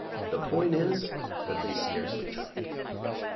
The point is that they scarcely tried.